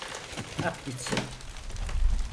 At gitsin.